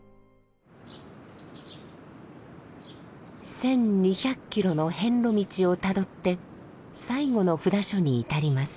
１，２００キロの遍路道をたどって最後の札所に至ります。